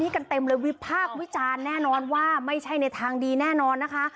กันเต็มเลยวิพากษ์วิจารณ์แน่นอนว่าไม่ใช่ในทางดีแน่นอนนะคะ